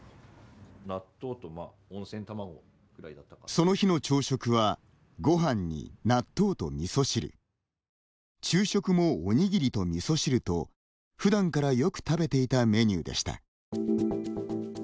その日の朝食はごはんに納豆とみそ汁昼食も、おにぎりとみそ汁とふだんから、よく食べていたメニューでした。